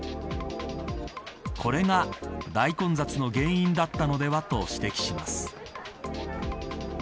これが大混雑の原因だったのではと指摘します。